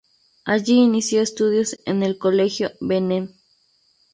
Allí inició estudios en el Colegio Bennett.